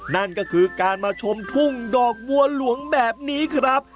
นั่นก็คือการมาชมทุ่งดอกบัวหลวงแบบนี้ครับ